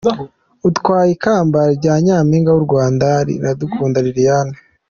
Utwaye ikamba rya nyaminga w’ u Rwanda n’ Iradukunda Liliane